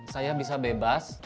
saya bisa bebas